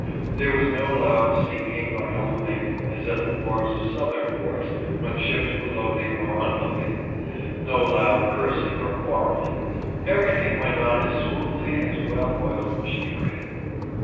There was no loud singing or hallooing, as at the wharves of southern ports when ships were loading or unloading ; no loud cursing or quarreling ; everything went on as smoothly as well oiled machinery.